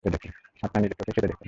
আপনারা নিজের চোখেই সেটা দেখুন!